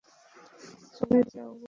চলে যাও, উইল।